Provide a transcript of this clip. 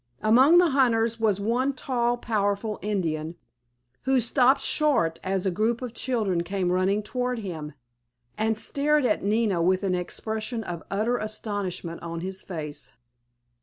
Among the hunters was one tall, powerful Indian, who stopped short as the group of children came running toward them, and stared at Nina with an expression of utter astonishment on his face.